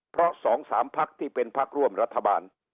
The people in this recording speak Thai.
เพราะ๒๓พักที่เป็นพักร่วมรัฐบาล